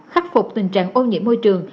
khắc phục tình trạng ô nhiễm môi trường